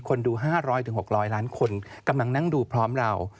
หลายหรือหกร้อยล้านคนกำลังนั่งดูพร้อมเรา